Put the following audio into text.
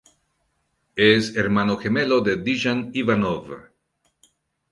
Es hermano gemelo de Dejan Ivanov.